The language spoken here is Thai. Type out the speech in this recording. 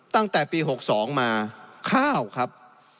ตั้งแต่ปี๖๒มาข้าวครับ